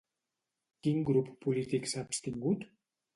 Quin grup polític s'ha abstingut?